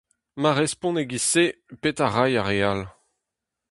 Mar respont er c'hiz-se, petra ray ar re all ?